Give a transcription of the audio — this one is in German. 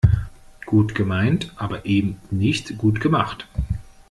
Gut gemeint, aber eben nicht gut gemacht.